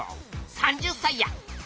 ３０才や！